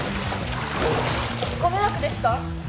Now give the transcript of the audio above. ご迷惑でした？